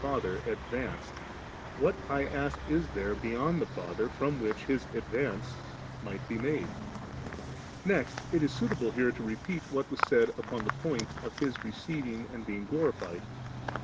For if He who was ever in the Father, advanced, what, I ask, is there beyond the Father from which His advance might be made ? Next it is suitable here to repeat what was said upon the point of His receiving and being glorified.